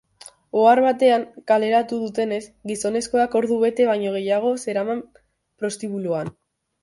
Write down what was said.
Ohar batean kaleratu dutenez, gizonezkoak ordu bete baino gehiago zeraman prostibuloan.